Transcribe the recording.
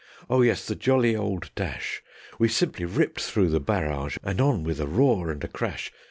Oh yes, the jolly old dash; We simply ripped through the barrage, and on with a roar and a crash.